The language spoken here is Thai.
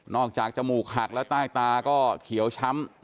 จากจมูกหักแล้วใต้ตาก็เขียวช้ำ